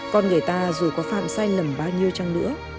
con người ta dù có phạm sai lầm bao nhiêu trăng nữa